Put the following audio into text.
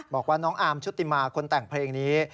บอกว่าน้องอาร์มชุติมาคนแต่งเพลงนี้